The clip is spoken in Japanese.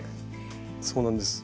そうなんです